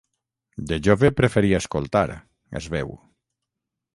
De jove preferia escoltar, es veu.